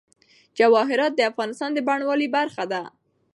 جواهرات د افغانستان د بڼوالۍ برخه ده.